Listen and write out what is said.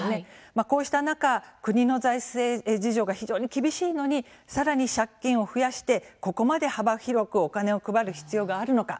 こうした中国の財政事情が非常に厳しいのにさらに借金を増やしてここまで幅広くお金を配る必要があるのか